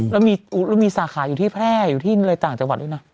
แล้วมีสาขาอยู่ที่แพร่อยู่ที่อะไรต่างจังหวัดด้วยนะ